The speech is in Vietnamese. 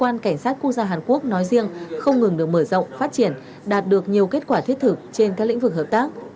nhiều kết quả thiết thực trên các lĩnh vực hợp tác